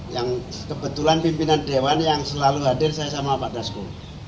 yang kebetulan pimpinan dewan yang selalu hadir saya sama pak dasko